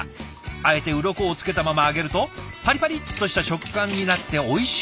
あえてウロコをつけたまま揚げるとパリパリッとした食感になっておいしいんだとか。